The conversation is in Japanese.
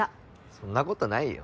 そんなことないよ。